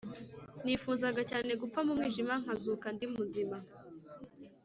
nifuzaga cyane gupfa mu mwijima, nkazuka ndi muzima.